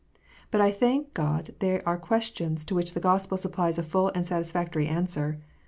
But I thank God they are questions to which the Gospel supplies a full and satisfactory answer.